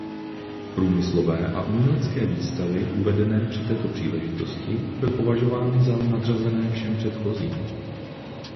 Průmyslové a umělecké výstavy uvedené při této příležitosti byly považovány za nadřazené všem předchozím.